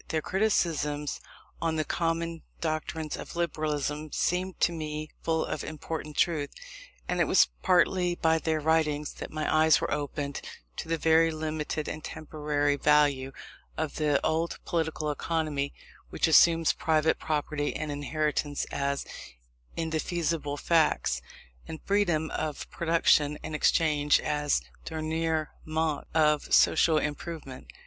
Their criticisms on the common doctrines of Liberalism seemed to me full of important truth; and it was partly by their writings that my eyes were opened to the very limited and temporary value of the old political economy, which assumes private property and inheritance as indefeasible facts, and freedom of production and exchange as the dernier mot of social improvement.